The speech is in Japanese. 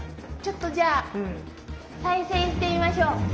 ちょっとじゃあ再生してみましょう。